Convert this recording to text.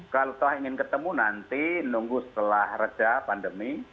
kalau toh ingin ketemu nanti nunggu setelah reda pandemi